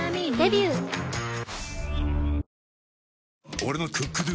俺の「ＣｏｏｋＤｏ」！